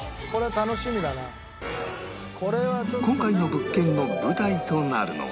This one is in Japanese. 今回の物件の舞台となるのは